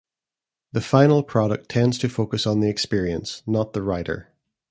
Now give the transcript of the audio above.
The final product tends to focus on the experience, not the writer.